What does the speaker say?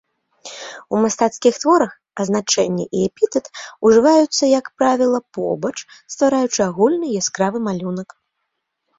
У мастацкіх творах азначэнне і эпітэт ужываюцца, як правіла, побач, ствараючы агульны яскравы малюнак.